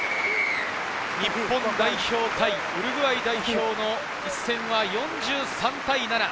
日本代表対ウルグアイ代表の一戦は４３対７。